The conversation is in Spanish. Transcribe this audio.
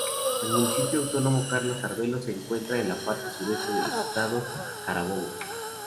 El Municipio Autónomo Carlos Arvelo se encuentra en la parte sureste del Estado Carabobo.